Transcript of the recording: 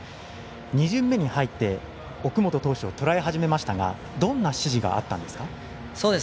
２巡目に入って奥本投手をとらえ始めましたがどんな指示があったんですか？